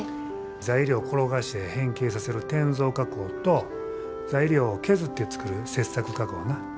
材料を転がして変形させる転造加工と材料を削って作る切削加工な。